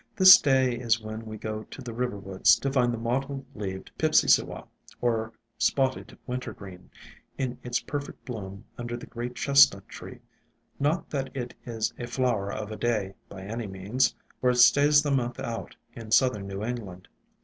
This day is when we go to the river woods to find the mot tled leaved Pipsissewa, or Spotted Wintergreen, in its perfect bloom under the great Chestnut tree. Not that it is a flower of a day, by any means, for it stays the month out in southern New Eng land.